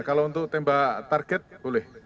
kalau untuk tembak target boleh